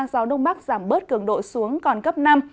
gió đông bắc giảm bớt cường độ xuống còn cấp năm